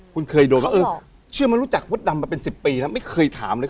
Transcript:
คุณเคยโดนว่าเออเชื่อมันรู้จักมดดำมาเป็น๑๐ปีแล้วไม่เคยถามเลย